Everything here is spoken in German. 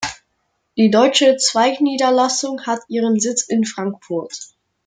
Die deutsche Zweigniederlassung hat ihren Sitz in Frankfurt.